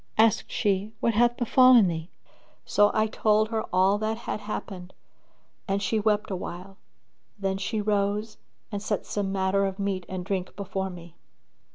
Asked she, "What hath befallen thee?" So I told her all that had happened and she wept awhile, then she rose and set some matter of meat and drink before me.